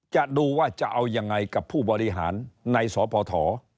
จะดูว่าจะเอายังไงกับผู้บริหารในสพ